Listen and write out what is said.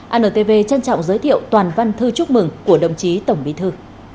antv trân trọng giới thiệu toàn văn thư chúc mừng của đồng chí tổng bí thư